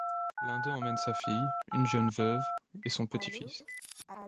L'un d'eux emmène sa fille, une jeune veuve, et son petit-fils.